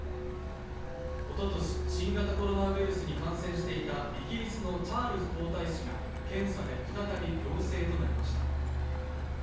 おととし、新型コロナウイルスに感染していたイギリスのチャールズ皇太子が検査で再び陽性となりました。